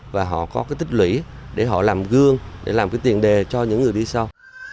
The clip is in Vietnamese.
và họ có cái tích lũy để họ làm gương để làm cái tiền đề cho những người đi sau